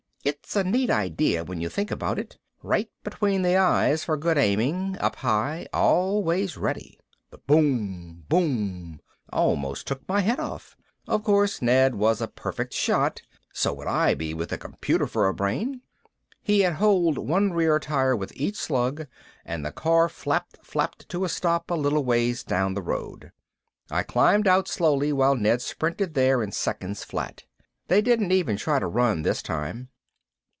It's a neat idea when you think about it. Right between the eyes for good aiming, up high, always ready. The BOOM BOOM almost took my head off. Of course Ned was a perfect shot so would I be with a computer for a brain. He had holed one rear tire with each slug and the car flap flapped to a stop a little ways down the road. I climbed out slowly while Ned sprinted there in seconds flat. They didn't even try to run this time.